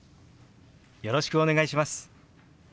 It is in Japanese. よろしくお願いします。